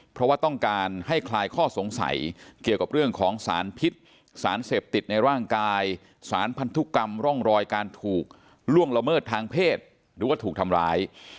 เพราะว่าต้องการให้คลายข้อสงสัยเกี่ยวกับเรื่องของสารพิษสารเสพติดในร่างกายสารพันธุกรรมร่องรอยการถูกล่วงละเมิดทางเพศหรือว่าถูกทำร้าย